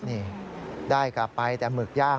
นี่ได้กลับไปแต่หมึกย่าง